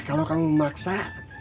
kalau kamu memaksa